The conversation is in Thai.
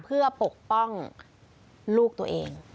เพื่อปกป้องลูกตัวเอง